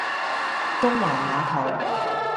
中環碼頭